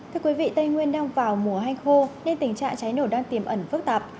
thưa quý vị tây nguyên đang vào mùa hanh khô nên tình trạng cháy nổ đang tiềm ẩn phức tạp